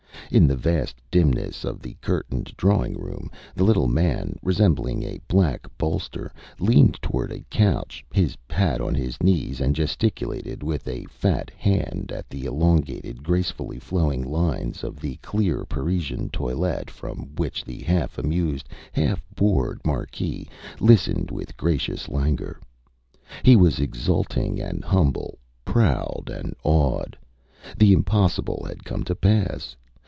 In the vast dimness of the curtained drawing room, the little man, resembling a black bolster, leaned towards a couch, his hat on his knees, and gesticulated with a fat hand at the elongated, gracefully flowing lines of the clear Parisian toilette from which the half amused, half bored marquise listened with gracious languor. He was exulting and humble, proud and awed. The impossible had come to pass.